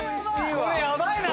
これやばいな。